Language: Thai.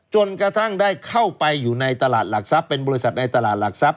จนกระทั่งได้เข้าไปอยู่ในตลาดหลักทรัพย์เป็นบริษัทในตลาดหลักทรัพย